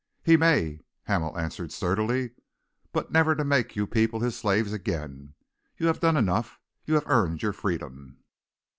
"He may," Hamel answered sturdily, "but never to make you people his slaves again. You have done enough. You have earned your freedom."